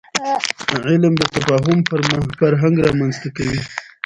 علم د تفاهم فرهنګ رامنځته کوي.